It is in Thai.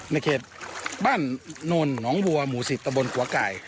ในเขตบ้านนนหนองบัวหมู่๑๐ตะบนหัวไก่